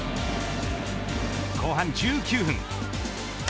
後半１９分。